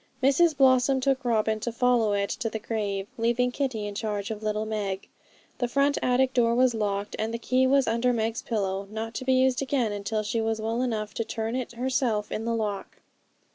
Mrs Blossom took Robin to follow it to the grave, leaving Kitty in charge of little Meg. The front attic door was locked, and the key was under Meg's pillow, not to be used again until she was well enough to turn it herself in the lock.